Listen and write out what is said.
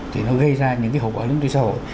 thì nó gây ra những cái hậu quả lúc đi xã hội